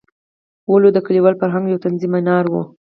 ولو د کلیوال فرهنګ یو طنزیه منار وو.